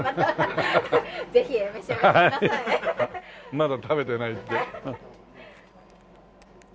まだ食べてないって。